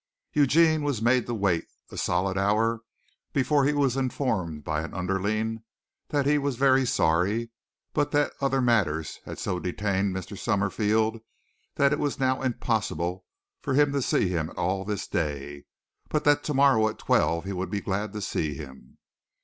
Eugene was made to wait a solid hour before he was informed by an underling that he was very sorry but that other matters had so detained Mr. Summerfield that it was now impossible for him to see him at all this day, but that tomorrow at twelve he would be glad to see him.